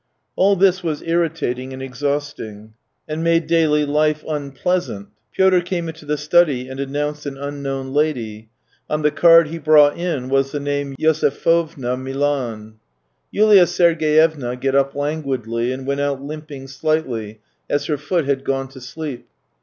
•Ml this was irritating and exhausting, and made daily life unpleasant. Pyotr came into the study, and announced an unknown lady. On the card he brought in was the name " Josephina losefovna Milan." Yulia Sergeyevna got up languidly and went out limping slightly, as her foot had gone to sleep.